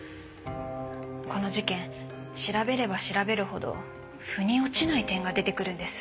この事件調べれば調べるほど腑に落ちない点が出てくるんです。